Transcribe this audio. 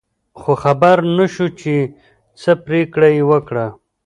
خو خبر نه شو چې څه پرېکړه یې وکړه.